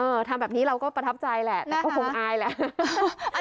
ทำแบบนี้เราก็ประทับใจแหละแต่ก็คงอายแหละ